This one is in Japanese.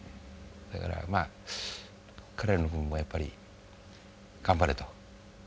だから彼らの分もやっぱり頑張れと。